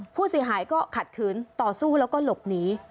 ผู้เสียหายก็ขัดขืนต่อสู้แล้วก็หลบหนี